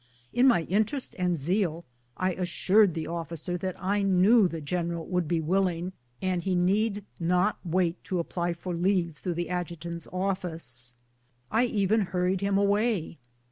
In my in terest and zeal I assured the officer that I knew the general would be willing, and he need not wait to apply for leave through the adjutant's office. I even hurried him away.